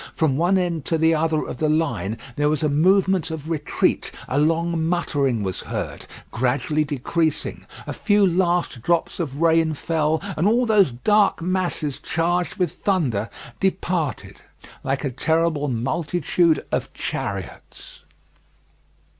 From one end to the other of the line there was a movement of retreat: a long muttering was heard, gradually decreasing, a few last drops of rain fell, and all those dark masses charged with thunder, departed like a terrible multitude of chariots.